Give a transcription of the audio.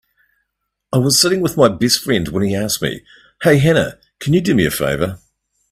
I was sitting with my best friend when he asked me, "Hey Hannah, can you do me a favor?"